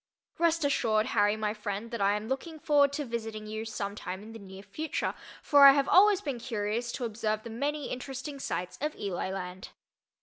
Rest assured, Harry my friend, that I am looking forward to visiting you some time in the near future, for I have always been curious to observe the many interesting sights of "Eli land."